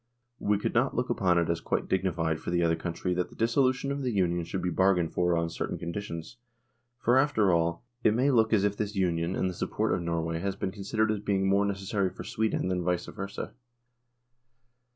We could not look upon it as quite digni fied for the other country that the dissolution of the Union should be bargained for on certain conditions, for, after all, it may look as if this Union and the sup 134 NORWAY AND THE UNION WITH SWEDEN port of Norway has been considered as being more necessary for Sweden than vice versa.